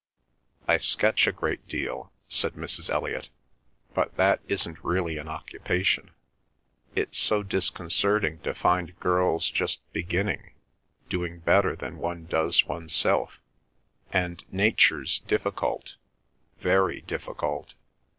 "I sketch a great deal," said Mrs. Elliot, "but that isn't really an occupation. It's so disconcerting to find girls just beginning doing better than one does oneself! And nature's difficult—very difficult!"